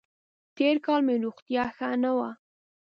تېر کال مې روغتیا ښه نه وه